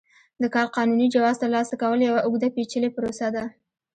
د کار قانوني جواز ترلاسه کول یوه اوږده پېچلې پروسه ده.